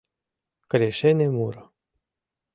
КРЕШЕНЕ МУРО.